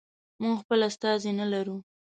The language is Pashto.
موږ خپل استازی نه لرو.